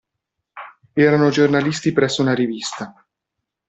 Erano giornalisti presso una rivista.